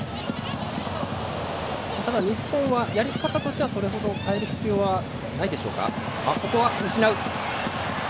日本は、やり方としてはそれほど変える必要はないでしょうか。